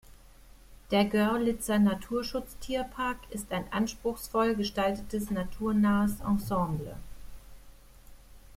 Der Görlitzer Naturschutz-Tierpark ist ein anspruchsvoll gestaltetes naturnahes Ensemble.